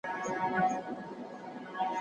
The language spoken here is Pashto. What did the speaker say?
غړومبېدلی به آسمان وي